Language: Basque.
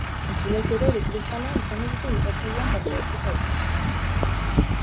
Entzuleek ere, beti bezala, izango dute irratsaioan parte hartzeko aukera.